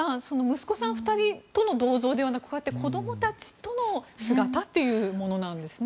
息子さん２人との銅像ではなく子供たちとの姿というものなんですね。